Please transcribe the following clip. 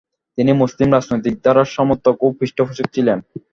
তিনি মুসলিম রাজনৈতিক ধারার সমর্থক ও পৃষ্ঠপোষক ছিলেন।